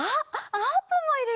あーぷんもいるよ。